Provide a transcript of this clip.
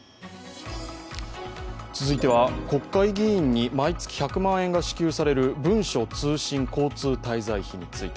続いては、国会議員に毎月１００万円が支給される文書通信交通滞在費について。